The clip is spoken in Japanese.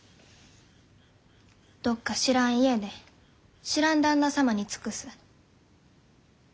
どっか知らん家で知らん旦那様に尽くす。